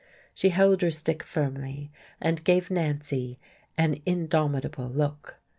She held her stick firmly, and gave Nancy an indomitable look.